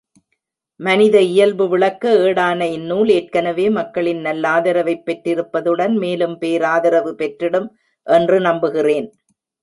மனித இயல்பு விளக்க ஏடான இந்நூல் ஏற்கனவே மக்களின் நல்லாதரவைப் பெற்றிருப்பதுடன் மேலும் பேராதரவு பெற்றிடும் என்று நம்புகிறேன்.